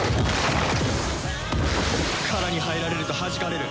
殻に入られるとはじかれる。